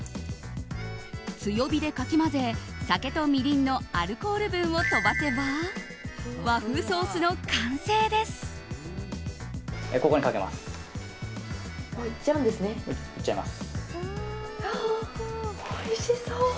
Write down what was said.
強火でかき混ぜ、酒とみりんのアルコール分を飛ばせば和風ソースの完成です。